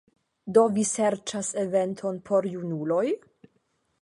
Do vi serĉas eventon por junuloj?